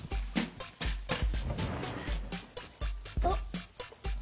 あっ！